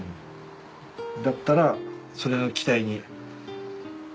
だったらそれの期待に。